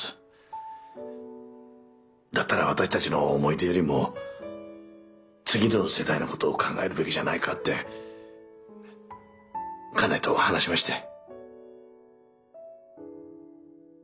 だったら私たちの思い出よりも次の世代のことを考えるべきじゃないかって家内と話しまして。